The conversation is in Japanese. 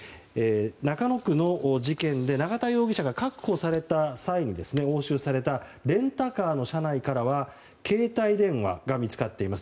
中野区の事件で永田容疑者が確保された際に押収されたレンタカーの車内からは携帯電話が見つかっています。